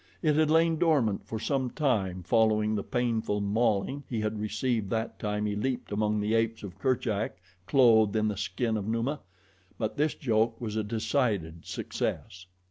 It had lain dormant for some time following the painful mauling he had received that time he leaped among the apes of Kerchak clothed in the skin of Numa; but this joke was a decided success.